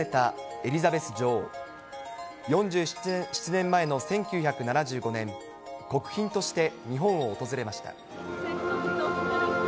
４７年前の１９７５年、国賓として日本を訪れました。